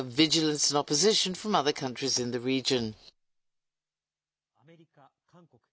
日本、アメリカ、韓国。